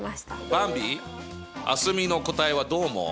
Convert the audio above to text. ばんび蒼澄の答えはどう思う？